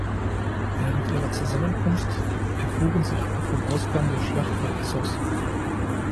Während ihrer Zusammenkunft erfuhren sie aber vom Ausgang der Schlacht bei Issos.